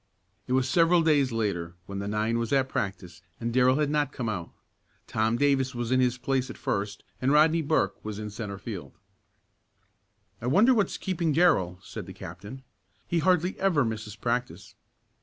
It was several days later when the nine was at practice and Darrell had not come out. Tom Davis was in his place at first and Rodney Burke was in centre field. "I wonder what's keeping Darrell?" said the captain. "He hardly ever misses practice."